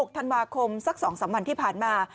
ธันวาคมสัก๒๓วันที่ผ่านมา